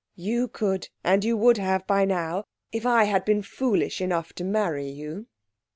'You could; and you would have by now, if I had been foolish enough to marry you.'